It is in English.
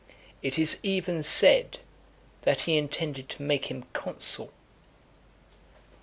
It is even said that he intended to make him consul. LVI.